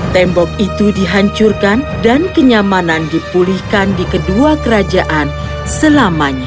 tembok itu dihancurkan dan kenyamanan dipulihkan di kedua kerajaan selamanya